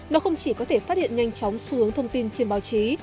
nó không chỉ có thể phát hiện nhanh chóng xu hướng thông tin trên báo chí